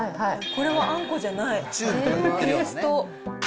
これはあんこじゃない、ペースト。